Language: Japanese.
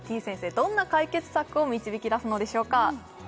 どんな解決策を導きだすのでしょうか？